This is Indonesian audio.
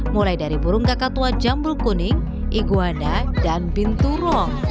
mulai dari burung kakatua jambul kuning iguana dan binturong